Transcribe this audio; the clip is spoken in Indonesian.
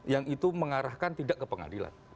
yang itu mengarahkan tidak ke pengadilan